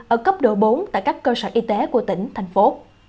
ở cấp độ bốn tại các cơ sở y tế của tỉnh thành phố